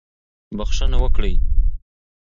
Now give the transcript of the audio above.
بښنه وکړئ.